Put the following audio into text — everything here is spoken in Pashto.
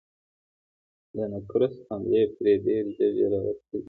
د نقرس حملې پرې ډېر ژر ژر راتلې.